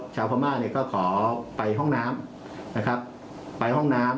ชาวพม่าเนี่ยก็ขอไปห้องน้ำนะครับไปห้องน้ำ